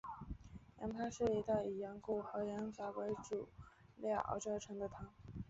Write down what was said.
羊汤是一道以羊骨和羊杂为主料熬制而成的汤。